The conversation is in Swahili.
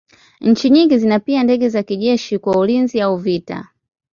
Nchi nyingi zina pia ndege za kijeshi kwa ulinzi au vita.